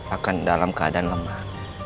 akan dalam keadaan lemah